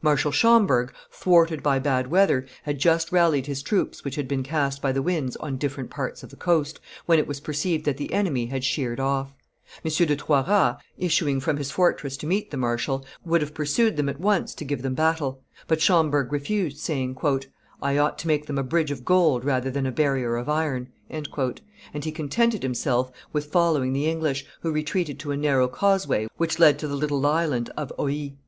Marshal Schomberg, thwarted by bad weather, had just rallied his troops which had been cast by the winds on different parts of the coast, when it was perceived that the enemy had sheered off. M. De Toiras, issuing from his fortress to meet the marshal, would have pursued them at once to give them battle; but Schomberg refused, saying, "I ought to make them a bridge of gold rather than a barrier of iron;" and he contented himself with following the English, who retreated to a narrow causeway which led to the little Island of Oie.